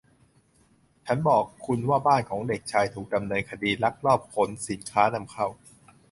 ฉันบอกคุณว่าบ้านของเด็กชาย ถูกดำเนินคดีลักลอบขนสิ้นค้านำเข้า